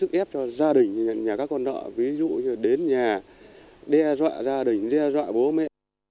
nước ép cho gia đình nhà các con nợ ví dụ như đến nhà đe dọa gia đình đe dọa bố mẹ